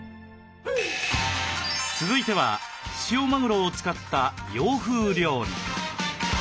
続いては塩マグロを使った洋風料理。